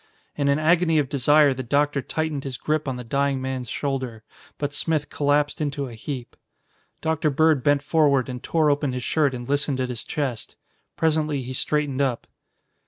In an agony of desire the Doctor tightened his grip on the dying man's shoulder. But Smith collapsed into a heap. Dr. Bird bent forward and tore open his shirt and listened at his chest. Presently he straightened up.